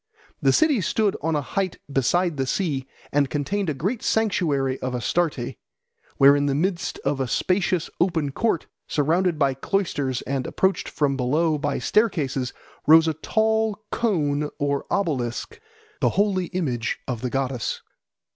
The city stood on a height beside the sea, and contained a great sanctuary of Astarte, where in the midst of a spacious open court, surrounded by cloisters and approached from below by staircases, rose a tall cone or obelisk, the holy image of the goddess.